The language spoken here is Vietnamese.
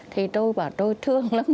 thì tôi bảo tôi thương lắm